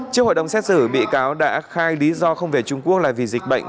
trước hội đồng xét xử bị cáo đã khai lý do không về trung quốc là vì dịch bệnh